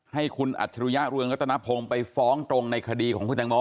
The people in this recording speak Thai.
ให้คุณอัจฉริยะเรืองรัตนพงศ์ไปฟ้องตรงในคดีของคุณแตงโม